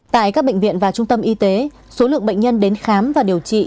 tại các bệnh viện và trung tâm y tế số lượng bệnh nhân đến khám và điều trị